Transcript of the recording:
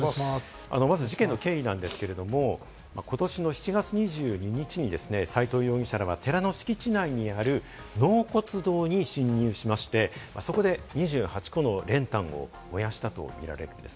まず事件の経緯なんですけれど、ことしの７月２２日に斎藤容疑者らは寺の敷地内にある納骨堂に侵入しまして、そこで２８個の練炭を燃やしたと見られている。